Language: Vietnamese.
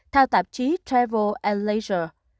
theo tạp chí travel leisure